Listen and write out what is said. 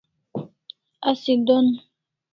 Asi don